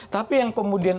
tapi yang kemudian